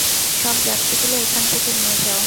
সব যাত্রীগুলো এখান থেকে নিয়ে যাও।